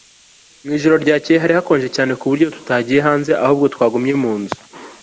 Mu ijoro ryakeye hari hakonje cyane ku buryo tutagiye hanze ahubwo twagumye mu nzu